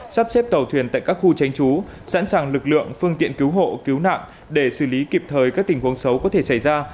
sắp xếp tàu thuyền tại các khu tránh trú sẵn sàng lực lượng phương tiện cứu hộ cứu nạn để xử lý kịp thời các tình huống xấu có thể xảy ra